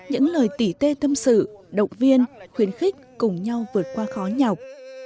những lời tỉ tê tâm sự động viên khuyến khích cùng nhau vượt qua khó nhọc